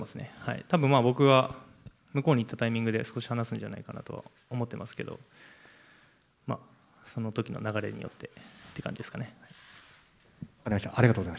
たぶん、僕が向こうに行ったタイミングで、少し話すんじゃないのかなとは思ってますけど、そのときの流れによってって感じですかね。